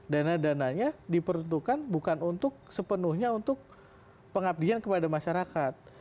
dana dananya diperuntukkan bukan untuk sepenuhnya untuk pengabdian kepada masyarakat